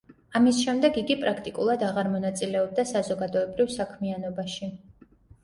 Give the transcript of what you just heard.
ამის შემდეგ იგი პრაქტიკულად აღარ მონაწილეობდა საზოგადოებრივ საქმიანობაში.